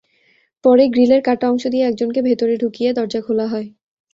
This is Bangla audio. পরে গ্রিলের কাটা অংশ দিয়ে একজনকে ভেতরে ঢুকিয়ে দরজা খোলা হয়।